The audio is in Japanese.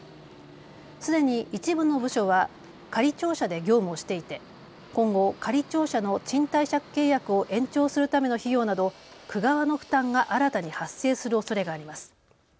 すでに一部の部署は仮庁舎で業務をしていて今後、仮庁舎の賃貸借契約を延長するための費用など区側の負担が新たに発生するおそれがあります。